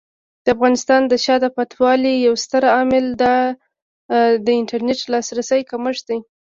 د افغانستان د شاته پاتې والي یو ستر عامل د انټرنیټ لاسرسي کمښت دی.